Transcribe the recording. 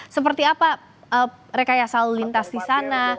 seperti apa rekayasa lalu lintas di sana